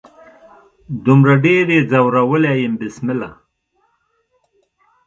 دومره ډیر يې ځورولي يم بسمله